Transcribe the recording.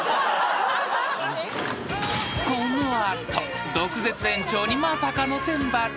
［この後毒舌園長にまさかの天罰が］